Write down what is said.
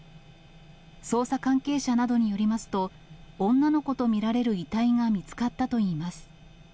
捜査関係者などによりますと、女の子と見られる遺体が見つかったといいます。